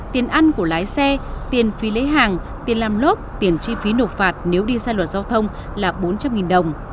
tiền ăn của lái xe tiền phí lấy hàng tiền làm lốp tiền chi phí nộp phạt nếu đi sai luật giao thông là bốn trăm linh đồng